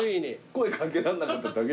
声掛けらんなかっただけ。